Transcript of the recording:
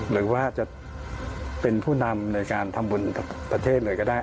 หรือว่าจะเป็นผู้นำในการทำบุญประเทศเลยก็ได้